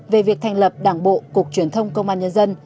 về việc thành lập đảng bộ cục truyền thông công an nhân dân